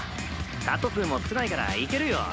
カット数も少ないからいけるよ。